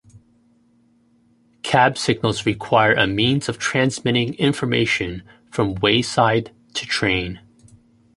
Cab signals require a means of transmitting information from wayside to train.